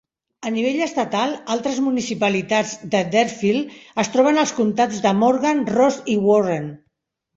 A nivell estatal, altres municipalitats de Deerfield es troben als comtats de Morgan, Ross i Warren.